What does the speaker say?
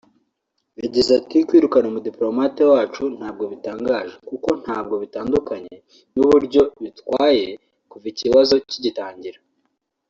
yagize ati “Kwirukana umudipolomate wacu ntabwo bitangaje kuko ntabwo bitandukanye n’ uburyo bwitwaye kuva ikibazo kigitangira